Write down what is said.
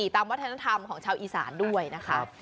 ตามวัฒนธรรมของชาวอีสานด้วยนะคะ